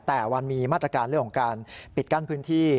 แต่มันมีมาตรการเรื่องของการปิดกั้นพื้นที่